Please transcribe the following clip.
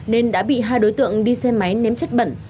nên đã bị hai đối tượng đi xe máy ném chất bẩn